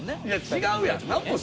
いや違うやん！